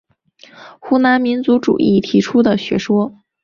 湖南民族主义提出的学说。